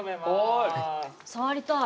触りたい！